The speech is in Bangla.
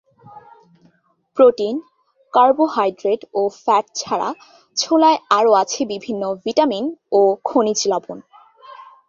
প্রোটিন, কার্বোহাইড্রেট ও ফ্যাট ছাড়া ছোলায় আরও আছে বিভিন্ন ভিটামিন ও খনিজ লবণ।